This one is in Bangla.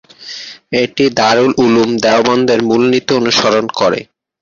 এটি দারুল উলূম দেওবন্দের মূলনীতি অনুসরণ করে।